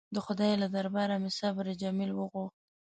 د خدای له درباره مې صبر جمیل وغوښت.